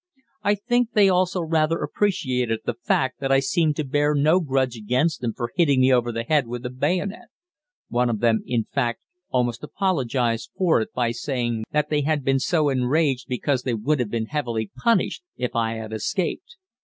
I think they also rather appreciated the fact that I seemed to bear no grudge against them for hitting me over the head with a bayonet; one of them in fact almost apologized for it by saying that they had been so enraged because they would have been heavily punished if I had escaped.